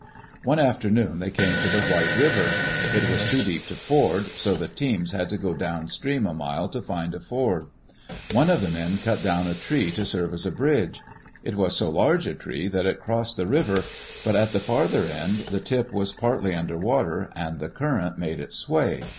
One afternoon they came to the White River. It was too deep to ford, so the teams had to go down stream a mile to find a ford. One of the men cut down a tree to serve as a bridge. It was so large a tree that it crossed the river, but at the farther end the tip was partly under water and the current made it sway.